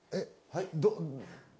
はい？